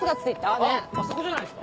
あっあそこじゃないですか？